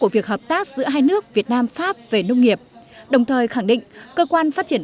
việc hợp tác giữa hai nước việt nam pháp về nông nghiệp đồng thời khẳng định cơ quan phát triển